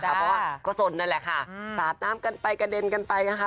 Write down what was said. เพราะว่าก็สนนั่นแหละค่ะสาดน้ำกันไปกระเด็นกันไปนะคะ